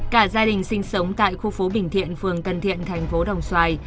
cả gia đình sinh sống tại khu phố bình thiện phường tân thiện tp đồng xoài